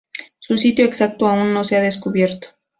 Su sitio exacto aún no se ha descubierto.